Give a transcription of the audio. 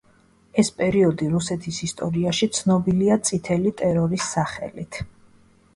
ეს პერიოდი რუსეთის ისტორიაში ცნობილია წითელი ტერორის სახელით.